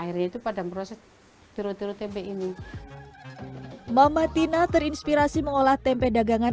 ini itu pada merosot tiru tiru tempe ini mama tina terinspirasi mengolah tempe dagangan